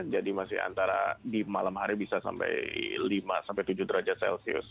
jadi masih antara di malam hari bisa sampai lima tujuh derajat celcius